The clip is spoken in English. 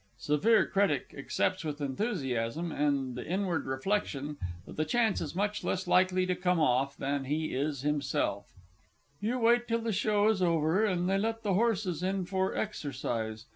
(SEVERE CRITIC accepts with enthusiasm, and the inward reflection that the chance is much less likely to come off than he is himself.) You wait till the show is over, and they let the horses in for exercise.